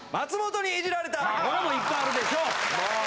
これもいっぱいあるでしょう。